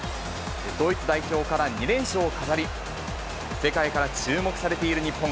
ドイツ代表から２連勝を飾り、世界から注目されている日本。